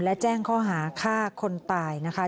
และแจ้งข้อหาฆ่าคนตายนะคะ